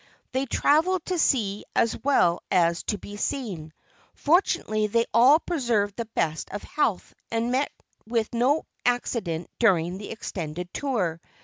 They travelled to see as well as to be seen. Fortunately they all preserved the best of health and met with no accident during the extended tour.